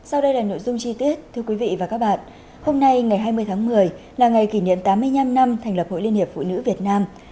sau đây là nội dung chi tiết thưa quý vị và các bạn hôm nay ngày hai mươi tháng một mươi là ngày kỷ niệm tám mươi năm năm thành lập hội liên hiệp phụ nữ việt nam